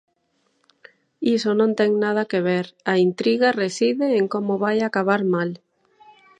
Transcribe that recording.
Iso non ten nada que ver, a intriga reside en como vai acabar mal.